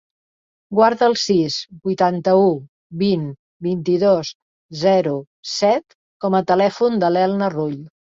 Guarda el sis, vuitanta-u, vint, vint-i-dos, zero, set com a telèfon de l'Elna Rull.